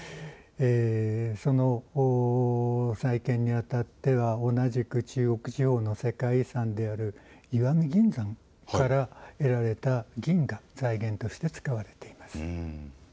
その再建にあたっては同じく中国地方の世界遺産である石見銀山から得られた銀が財源として使われています。